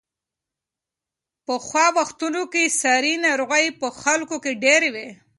په پخوا وختونو کې ساري ناروغۍ په خلکو کې ډېرې وې.